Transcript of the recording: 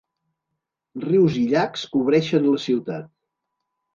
Rius i llacs cobreixen la ciutat.